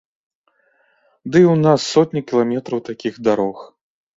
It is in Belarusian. Ды і ў нас сотні кіламетраў такіх дарог.